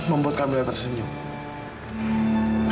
membuat kamila tersenyum